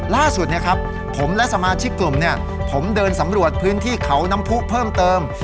ล่าสุดผมและสมาชิกกลุ่มผมเดินสำรวจพื้นที่เขาน้ำผู้เพิ่มเติม